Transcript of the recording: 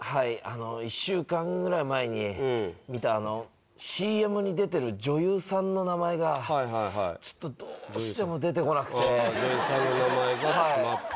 １週間ぐらい前に見たＣＭに出てる女優さんの名前が、ちょっとどうしても出てこなくて。